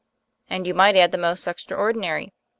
"And you might add the most extraordinary.